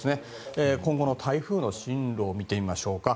今後の台風の進路を見てみましょう。